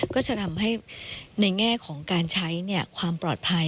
ก็จะทำให้ในแง่ของการใช้ความปลอดภัย